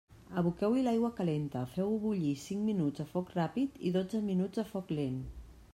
Aboqueu-hi l'aigua calenta, feu-ho bullir cinc minuts a foc ràpid i dotze minuts a foc lent.